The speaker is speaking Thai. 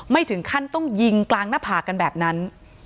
ถึงขั้นต้องยิงกลางหน้าผากกันแบบนั้น